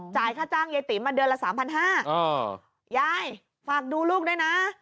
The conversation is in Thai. จ่ายค่าจ้างยายติ๋มมาเดือนละ๓๕๐๐บาทยายฝากดูลูกด้วยนะ